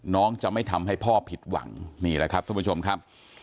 น้องจะไม่ทำให้พ่อผิดหวังนี่แหละครับทุกผู้ชมครับ